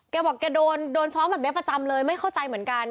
แกบอกแกโดนซ้อมแบบนี้ประจำเลยไม่เข้าใจเหมือนกัน